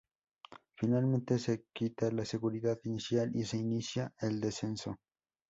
Finalmente se quita la seguridad inicial y se inicia el descenso.